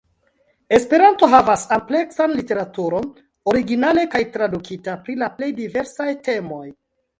Esperanto havas ampleksan literaturon, originale kaj tradukita, pri la plej diversaj temoj.